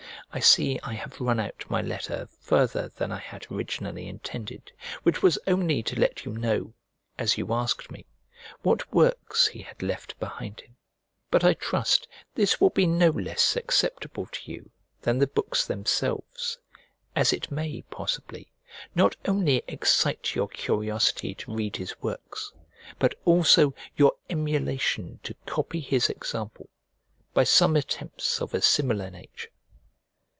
I see I have run out my letter farther than I had originally intended, which was only to let you know, as you asked me, what works he had left behind him. But I trust this will be no less acceptable to you than the books themselves, as it may, possibly, not only excite your curiosity to read his works, but also your emulation to copy his example, by some attempts of a similar nature.